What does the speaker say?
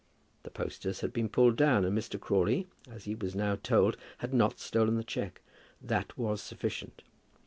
The posters had been pulled down and Mr. Crawley, as he was now told, had not stolen the cheque. That was sufficient.